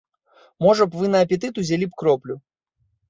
Можа б, вы на апетыт узялі б кроплю?